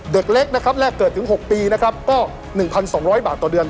เด็กเล็กแรกเกิดถึง๖ปีก็๑๒๐๐บาทต่อเดือน